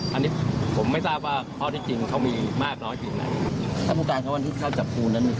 แหละแต่พิพิปิญญาณนาใจ